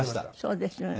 そうですよね。